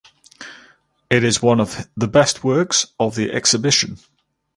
It is one of the best works of the exhibition.